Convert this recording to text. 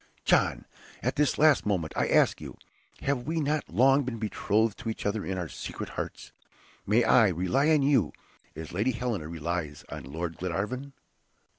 John! at this last moment I ask you, have we not long been betrothed to each other in our secret hearts? May I rely on you, as Lady Helena relies on Lord Glenarvan?"